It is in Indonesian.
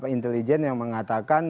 intelijen yang mengatakan